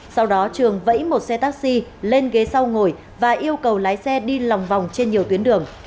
sau đó trường vẫy một xe taxi lên ghế sau ngồi và yêu cầu lái xe đi lòng vòng trên nhiều tuyến đường